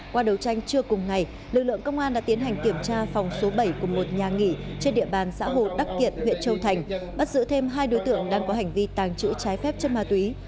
qua đấu tranh trưa cùng ngày lực lượng công an đã tiến hành kiểm tra phòng số bảy của một nhà nghỉ trên địa bàn xã hồ đắc kiện huyện châu thành bắt giữ thêm hai đối tượng đang có hành vi tàng trữ trái phép chất ma túy